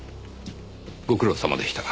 ご苦労さまでした。